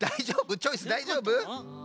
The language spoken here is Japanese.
チョイスだいじょうぶ？